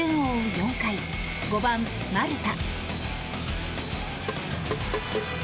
４回５番、丸田。